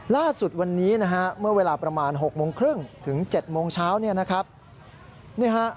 ล่าสุดวันนี้เมื่อเวลาประมาณ๖โมงครึ่งถึง๗โมงเช้า